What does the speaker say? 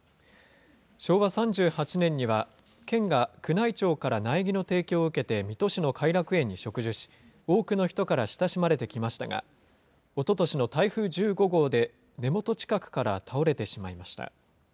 昭和３８年には、県が宮内庁から苗木の提供を受けて水戸市の偕楽園に植樹し、多くの人から親しまれてきましたが、おととしの台風１５号で、根元近くから倒れてしまいました。